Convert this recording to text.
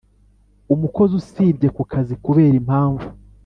Umukozi usibye ku kazi kubera impamvu